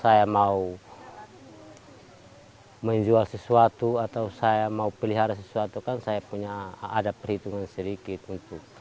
saya mau menjual sesuatu atau saya mau pelihara sesuatu kan saya punya ada perhitungan sedikit untuk